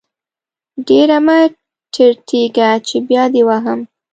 ډير مه ټرتيږه چې بيا دې وهم.